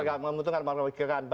tidak menguntungkan atau merugikan